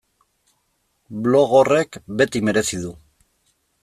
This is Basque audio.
Blog horrek beti merezi du.